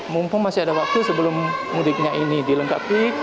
mumpung masih ada waktu sebelum mudiknya ini dilengkapi